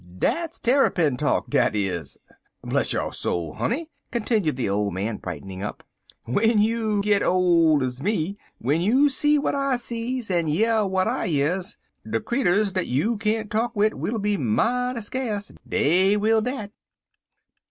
"Dat's Tarrypin talk, dat is. Bless yo' soul, honey," continued the old man, brightening up, "w'en you git ole ez me w'en you see w'at I sees, en year w'at I years de creeturs dat you can't talk wid'll be mighty skase dey will dat.